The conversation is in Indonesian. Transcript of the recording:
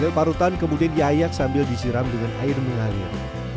kesel parutan kemudian diayak sambil disiram dengan air menghalil